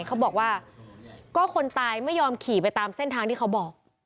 เขาบอกว่าก็คนตายไม่ยอมขี่ไปตามเส้นทางที่เขาบอก